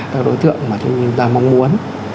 các đối tượng mà chúng ta mong muốn